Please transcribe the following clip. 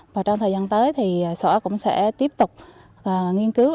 và trong thời gian tới thì sở cũng sẽ tiếp tục nghiên cứu